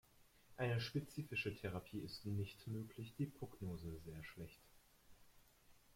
Eine spezifische Therapie ist nicht möglich, die Prognose sehr schlecht.